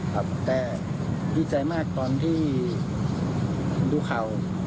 ครับแต่ดีใจมากตอนที่ดูข่าว